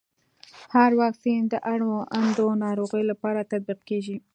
هر واکسین د اړوندو ناروغيو لپاره تطبیق کېږي.